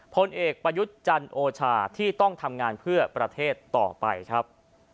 พลเอกประยุทธ์จันโอชาที่ต้องทำงานเพื่อประเทศต่อไปครับ